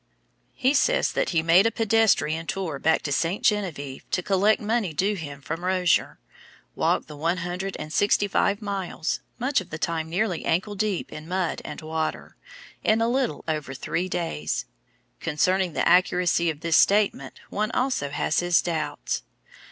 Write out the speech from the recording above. He says that he made a pedestrian tour back to St. Geneviève to collect money due him from Rozier, walking the one hundred and sixty five miles, much of the time nearly ankle deep in mud and water, in a little over three days. Concerning the accuracy of this statement one also has his doubts.